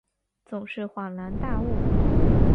总是恍然大悟